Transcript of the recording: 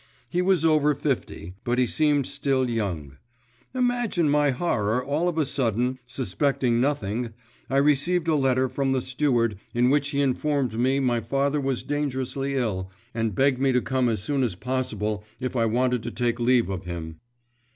He was over fifty, but he seemed still young. Imagine my horror; all of a sudden, suspecting nothing, I received a letter from the steward, in which he informed me my father was dangerously ill, and begged me to come as soon as possible if I wanted to take leave of him.